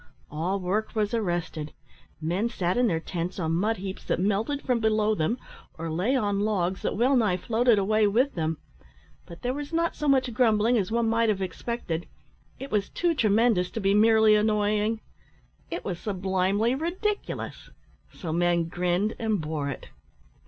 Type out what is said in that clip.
All work was arrested; men sat in their tents on mud heaps that melted from below them, or lay on logs that well nigh floated away with them; but there was not so much grumbling as one might have expected. It was too tremendous to be merely annoying. It was sublimely ridiculous, so men grinned, and bore it.